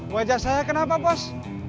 wajah saya kenapa bos